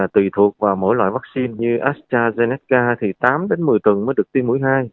tùy thuộc vào mỗi loại vaccine như astrazeneca thì tám một mươi tuần mới được tiêm mũi hai